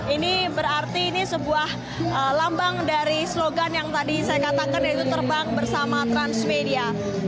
ini berarti ini sebuah lambang dari slogan yang tadi saya katakan yaitu terbang bersama transmedia